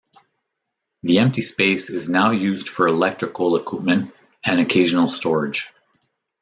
The empty space is now used for electrical equipment and occasional storage.